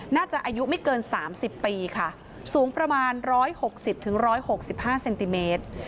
อายุไม่เกิน๓๐ปีค่ะสูงประมาณ๑๖๐๑๖๕เซนติเมตร